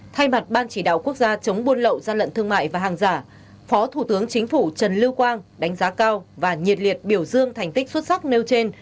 thay mặt ban chỉ đạo quốc gia chống buôn lậu gian lận thương mại và hàng giả phó thủ tướng chính phủ trần lưu quang đánh giá cao và nhiệt liệt biểu dương thành tích xuất sắc nêu trên